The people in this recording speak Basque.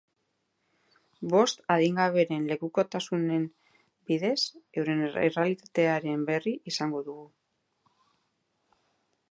Bost adingaberen lekukotasunen bidez, euren errealitatearen berri izango dugu.